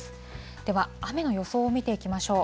では、雨の予想を見ていきましょう。